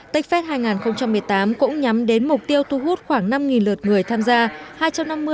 techfest hai nghìn một mươi tám cũng nhắm đến mục tiêu thu hút khoảng năm lượt người tham gia